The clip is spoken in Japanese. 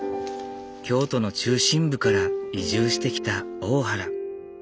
京都の中心部から移住してきた大原。